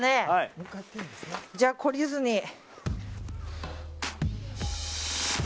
じゃあ、懲りずに。